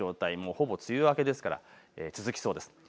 ほぼ梅雨明けですから続きそうです。